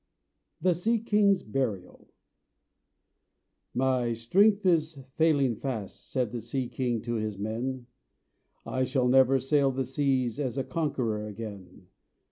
THE SEA KING'S BURIAL "My strength is failing fast," Said the sea king to his men; "I shall never sail the seas As a conqueror again.